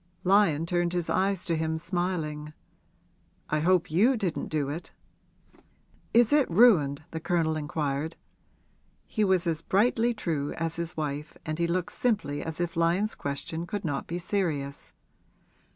Lyon turned his eyes to him, smiling. 'I hope you didn't do it?' 'Is it ruined?' the Colonel inquired. He was as brightly true as his wife and he looked simply as if Lyon's question could not be serious.